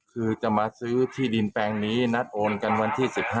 คือจะมาซื้อที่ดินแปลงนี้นัดโอนกันวันที่๑๕